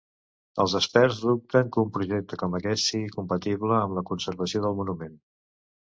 Els experts dubten que un projecte com aquest sigui compatible amb la conservació del monument.